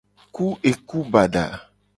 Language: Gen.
Ku eku bada.